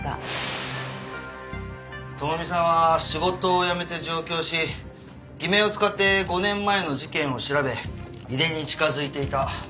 朋美さんは仕事を辞めて上京し偽名を使って５年前の事件を調べ井出に近づいていた。